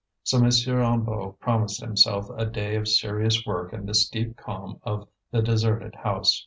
So M. Hennebeau promised himself a day of serious work in this deep calm of the deserted house.